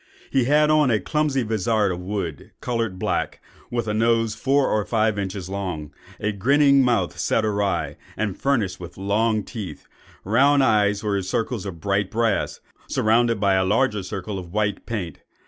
He had on a clumsy vizard of wood, coloured black, with a nose four or five inches long, a grinning mouth set awry, and furnished with long teeth; round the eyes were circles of bright brass, surrounded by a larger circle of white paint.